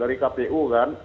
dari kpu kan